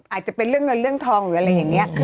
อาจจะเป็นเรื่องเงินเรื่องทองหรืออะไรอย่างนี้